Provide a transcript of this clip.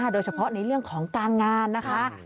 โดยเฉพาะในเรื่องของการงานนะคะ